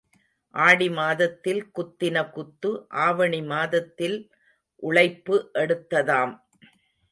ஆடி மாதத்தில் குத்தின குத்து ஆவணி மாதத்தில் உளைப்பு எடுத்ததாம்.